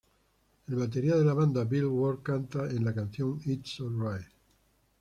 El batería de la banda, Bill Ward canta en la canción ""It's Alright"".